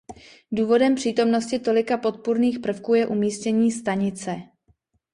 Důvodem přítomnosti tolika podpůrných prvků je umístění stanice.